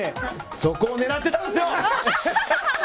そこを狙ってたんですよ！